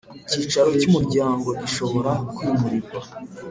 Icyicaro cy Umuryango gishobora kwimurirwa